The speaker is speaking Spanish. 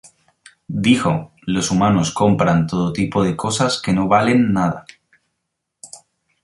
Dijo "Los humanos compran todo tipo de cosas que no valen nada.